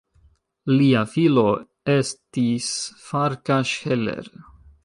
Lia filo estis Farkas Heller.